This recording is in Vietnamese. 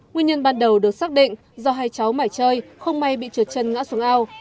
nguyên nhân ban đầu được xác định do hai cháu mải chơi không may bị trượt chân ngã xuống ao